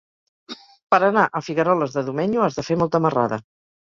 Per anar a Figueroles de Domenyo has de fer molta marrada.